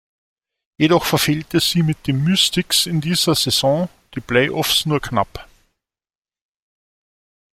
Jedoch verfehlte sie mit den Mystics in dieser Saison die Playoffs nur knapp.